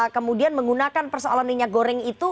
kemudian menggunakan persoalan minyak goreng itu